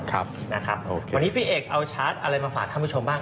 วันนี้พี่เอกเอาชาร์จอะไรมาหาท่านผู้ชมบ้าง